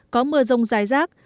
có mưa rông dài rác